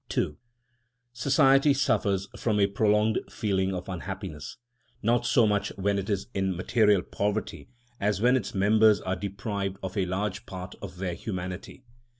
II Society suffers from a profound feeling of unhappiness, not so much when it is in material poverty as when its members are deprived of a large part of their humanity.